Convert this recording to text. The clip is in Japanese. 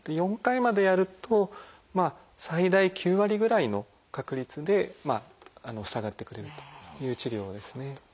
４回までやると最大９割ぐらいの確率で塞がってくれるという治療ですね。